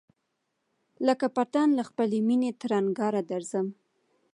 لکه پتڼ له خپلی مېني تر انگاره درځم